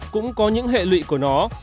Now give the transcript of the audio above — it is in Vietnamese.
cũng có những hệ lụy của nó